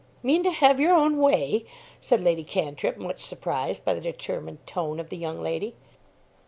"Mean to have your own way!" said Lady Cantrip, much surprised by the determined tone of the young lady.